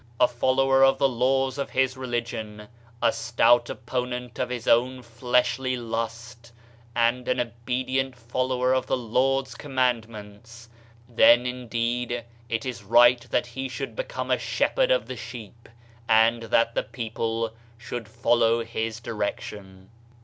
40 Diaiiizedb, Google OF CIVILIZATION religion, a stout opponent of his own fleshly lust, and an obedient follower of the Lord's command ments, then, indeed, it is right that he should be come a shepherd of the sheep and that the people should follow his direction."